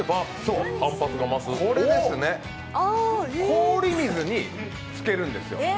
氷水につけるんですよ。